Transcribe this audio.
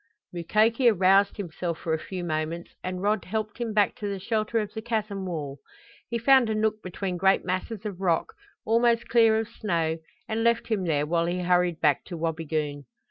Mukoki aroused himself for a few moments and Rod helped him back to the shelter of the chasm wall. He found a nook between great masses of rock, almost clear of snow, and left him there while he hurried back to Wabigoon.